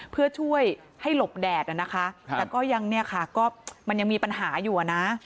เพื่อช่วยให้หลบแดดนะคะแต่ก็ยังมีปัญหาอยู่นะ